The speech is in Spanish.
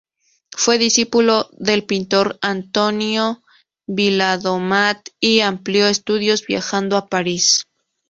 Fue discípulo del pintor Antonio Viladomat y amplió estudios viajando a París.